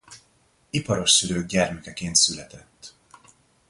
Iparos szülők gyermekeként született.